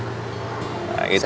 nah gitu dong